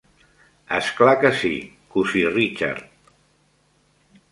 És clar que sí, cosí Richard.